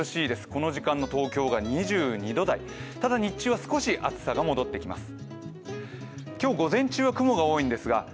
この時間の東京が２２度台、ただ、日中は少し暑さが戻ってきます。